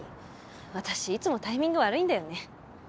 私いつもタイミング悪いんだよね。